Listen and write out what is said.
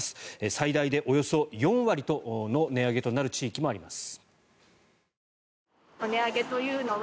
最大でおよそ４割の値上げとなる地域もあります。